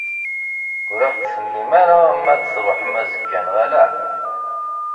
Ur aɣ-d-tennim ara ma ad d-truḥem azekka neɣ ala?